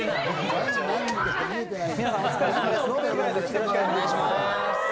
よろしくお願いします。